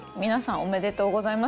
おめでとうございます。